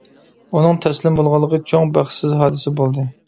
ئۇنىڭ تەسلىم بولغانلىقى چوڭ بەختسىز ھادىسە بولدى.